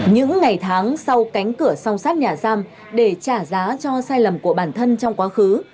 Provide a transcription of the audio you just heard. những ngày tháng sau cánh cửa song sát nhà giam để trả giá cho sai lầm của bản thân trong quá khứ